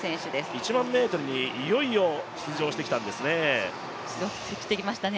１００００ｍにいよいよ出場してきたんですね。